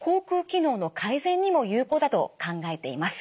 機能の改善にも有効だと考えています。